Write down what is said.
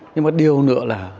nhưng mà điều nữa là